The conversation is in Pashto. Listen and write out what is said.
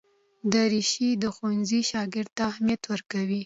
دریشي د ښوونځي شاګرد ته اهمیت ورکوي.